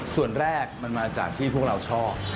ส่วนแรกมันมาจากที่พวกเราชอบ